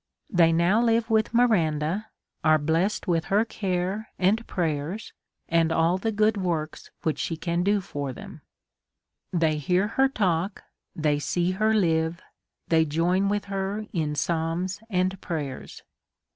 They now live with Miranda, are blessed with her care and prayers, and all the good works which she can do for them. They hear her talk, they see her live, they join with her in psalm's and prayers.